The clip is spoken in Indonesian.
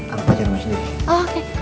aku pacaran sendiri